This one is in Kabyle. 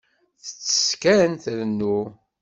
Tettess kan, trennu.